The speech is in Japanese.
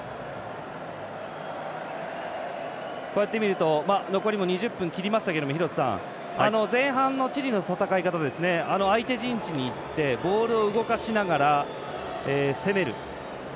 こうやって見ると残りも２０分切りましたけど廣瀬さん、前半のチリの戦い方相手陣地に行ってボールを動かしながら攻める。